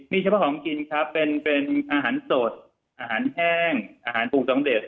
มีเฉพาะของกินครับเป็นอาหารสดอาหารแห้งอาหารปลูกสำเร็จ